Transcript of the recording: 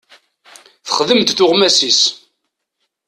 Texdem-d tuɣmas-is.